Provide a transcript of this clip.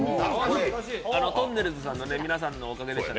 「とんねるずのみなさんのおかげでした」